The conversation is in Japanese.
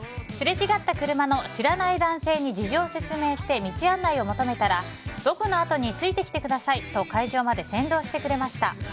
すれ違った車の知らない男性に事情を説明して道案内を求めたら僕のあとについてきてくださいと会場まで先導してくれました。